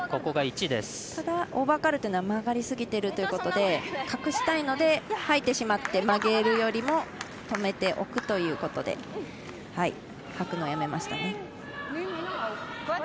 ただ、オーバーカール曲がりすぎているということで隠したいので、はいてしまって曲げるよりも止めて置くということではくのやめましたね。